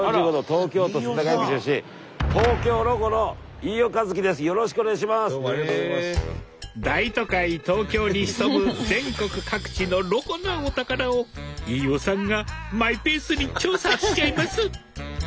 東京に潜む全国各地のロコなお宝を飯尾さんがマイペースに調査しちゃいます